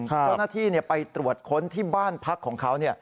เจ้าหน้าที่ไปตรวจค้นที่บ้านพักของเขา